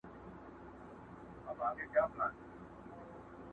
مور په ژړا سي خو عمل بدلولای نه سي